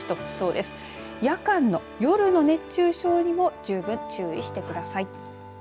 夜間の夜の熱中症にも十分注意してください。